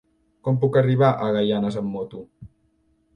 Com puc arribar a Gaianes amb moto?